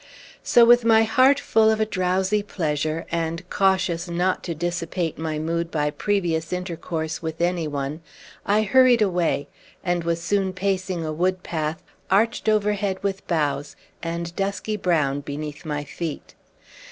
So, with my heart full of a drowsy pleasure, and cautious not to dissipate my mood by previous intercourse with any one, I hurried away, and was soon pacing a wood path, arched overhead with boughs, and dusky brown beneath my feet.